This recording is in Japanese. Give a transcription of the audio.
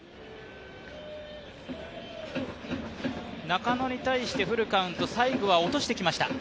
中野に対してフルカウント、最後は落としてきました。